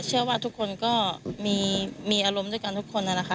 เชื่อว่าทุกคนก็มีอารมณ์ด้วยกันทุกคนนะคะ